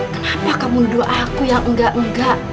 kenapa kamu doa aku yang enggak enggak